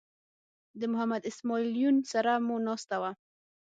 د محمد اسماعیل یون سره مو ناسته وه.